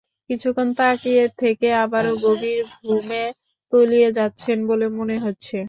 কিছুক্ষণ তাকিয়ে থেকে আবারও গভীর ঘুমে তলিয়ে যাচ্ছেন বলে মনে হচ্ছে।